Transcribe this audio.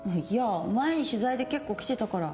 前に取材で結構来てたから。